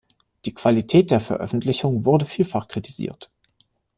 Die Qualität der Veröffentlichung wurde vielfach kritisiert.